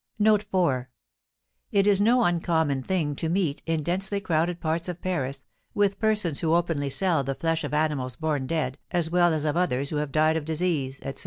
It is no uncommon thing to meet, in densely crowded parts of Paris, with persons who openly sell the flesh of animals born dead, as well as of others who have died of disease, etc.